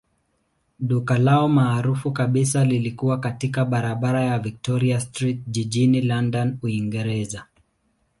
Duka lao maarufu kabisa lilikuwa katika barabara ya Victoria Street jijini London, Uingereza.